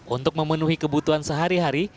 untuk memenuhi kebutuhan sehari hari